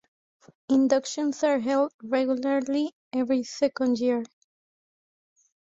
Inductions are held regularly every second year.